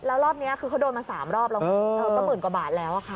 แล้วรอบนี้คือเขาโดนมา๓รอบแล้วก็หมื่นกว่าบาทแล้วค่ะ